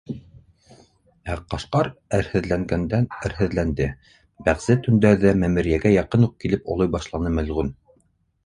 Ә Ҡашҡар әрһеҙләнгәндән әрһеҙләнде, бәғзе төндәрҙә мәмерйәгә яҡын уҡ килеп олой башланы мәлғүн.